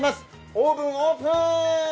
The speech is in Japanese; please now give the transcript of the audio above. オーブン、オープン！